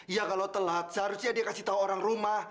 ya kalau telat seharusnya dia kasih tahu orang rumah